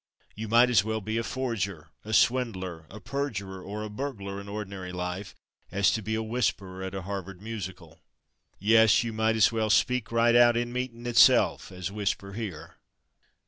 You might as well be a forger, a swindler, a perjurer, or a burglar in ordinary life as to be a whisperer at a Harvard Musical. Yes, you might as well "speak right out in meetin'" itself as whisper here.